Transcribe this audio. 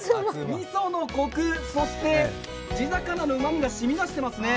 みそのコク、そして地魚のうまみが染み出していますね。